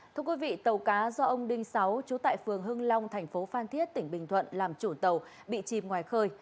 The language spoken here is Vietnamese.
thưa quý vị tàu cá do ông đinh sáu chú tại phường hưng long thành phố phan thiết tỉnh bình thuận làm chủ tàu bị chìm ngoài khơi